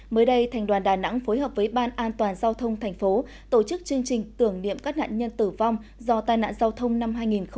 mới đây thành đoàn đà nẵng phối hợp với ban an toàn giao thông thành phố tổ chức chương trình tưởng niệm các nạn nhân tử vong do tai nạn giao thông năm hai nghìn một mươi chín